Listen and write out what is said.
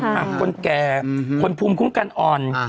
หากคนแก่คนภูมิคุ้มกันอ่อน